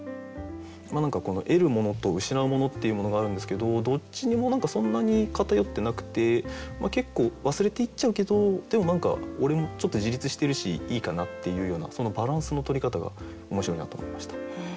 何かこの得るものと失うものっていうものがあるんですけどどっちにも何かそんなに偏ってなくて結構忘れていっちゃうけどでも何か俺もちょっと自立してるしいいかなっていうようなそのバランスのとり方が面白いなと思いました。